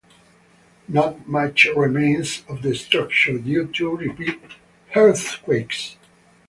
Not much remains of the structure, due to repeated earthquakes.